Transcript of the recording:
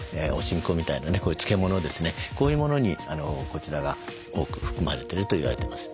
こういうものにこちらが多く含まれてると言われてます。